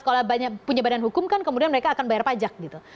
kalau punya badan hukum kan kemudian mereka akan bayar pajak gitu